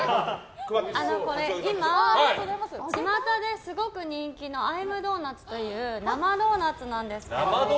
これ、今ちまたですごく人気のＩ’ｍｄｏｎｕｔ？という生ドーナツなんですけど。